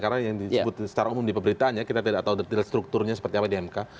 karena yang disebut secara umum di pemberitanya kita tidak tahu detail strukturnya seperti apa di mk